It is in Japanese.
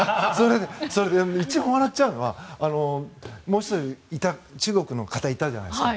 一番笑っちゃうのはもう１人、中国の方がいたじゃないですか。